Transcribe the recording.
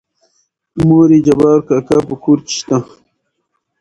مورې جبار کاکا په کور کې شته؟